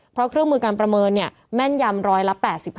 เพราะเครื่องมือการประเมินแม่นยำร้อยละ๘๕